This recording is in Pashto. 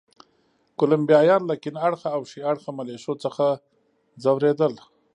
کولمبیایان له کیڼ اړخه او ښي اړخه ملېشو څخه ځورېدل.